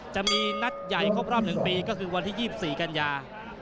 จะมีนัดใหญ่ครบรอบ๑ปีก็คือวันที่๒๔กันยา